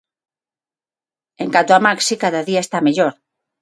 En canto a Maxi, cada día está mellor.